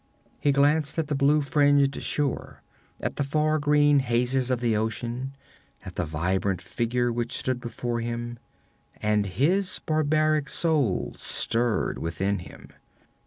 He glanced at the blue fringed shore, at the far green hazes of the ocean, at the vibrant figure which stood before him; and his barbaric soul stirred within him.